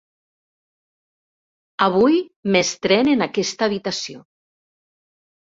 Avui m'estrén en aquesta habitació.